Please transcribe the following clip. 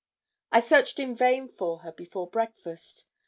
I searched in vain for her before breakfast.